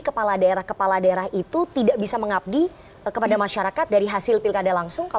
kepala daerah kepala daerah itu tidak bisa mengabdi kepada masyarakat dari hasil pilkada langsung